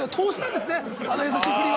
あの優しい振りは。